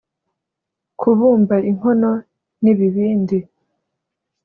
kubumba inkono n’ibibindi